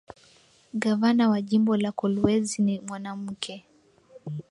Gavana wa jimbo la kolwezi ni mwanamuke